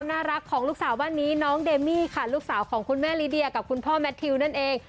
น่ารักของลูกสาวบ้านนี้น้องเดมี่ค่ะลูกสาวของคุณแม่ลิเดียกับคุณพ่อแมททิวนั่นเอง